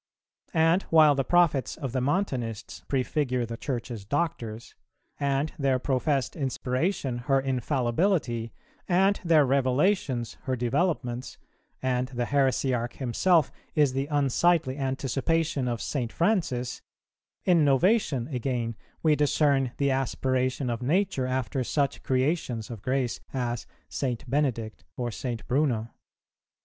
And while the prophets of the Montanists prefigure the Church's Doctors, and their professed inspiration her infallibility, and their revelations her developments, and the heresiarch himself is the unsightly anticipation of St. Francis, in Novatian again we discern the aspiration of nature after such creations of grace as St. Benedict or St. Bruno.